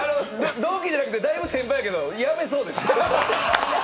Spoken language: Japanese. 同期じゃなくて、だいぶ先輩だけど、辞めそうです。